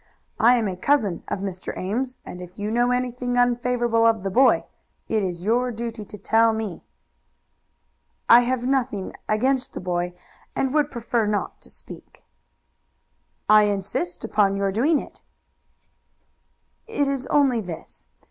I am a cousin of Mr. Ames, and if you know anything unfavorable of the boy, it is your duty to tell me." "I have nothing against the boy, and would prefer not to speak." "I insist upon your doing it." "It is only this.